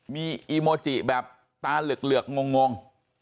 มีอีโมจิแบบตาเหลือกงง